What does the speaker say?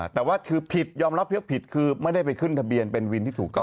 แต่ว่าคือผิดยอมรับว่าผิดคือไม่ได้ไปขึ้นทะเบียนเป็นวินที่ถูกต้อง